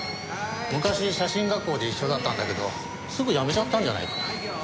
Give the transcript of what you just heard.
昔写真学校で一緒だったんだけどすぐ辞めちゃったんじゃないかな。